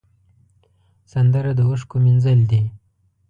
سندره د اوښکو مینځل دي